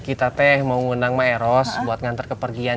kita teh mau mengundang maeros buat ngantar ke pekan